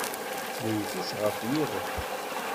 Nwet-itt ɣer yiɣef.